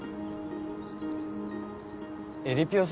えりぴよ